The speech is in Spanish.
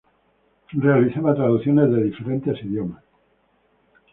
Realizaba traducciones de diferentes idiomas.